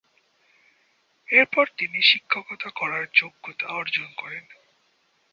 এরপর তিনি শিক্ষকতা করার যোগ্যতা অর্জন করেন।